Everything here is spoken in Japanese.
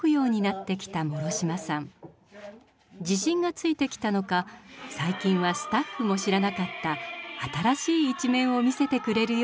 自信がついてきたのか最近はスタッフも知らなかった新しい一面を見せてくれるようになりました。